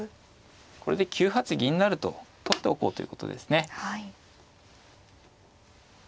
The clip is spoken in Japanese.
これで９八銀成と取っておこうということですね。